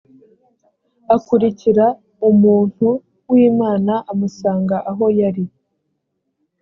akurikira umuntu w imana amusanga aho yari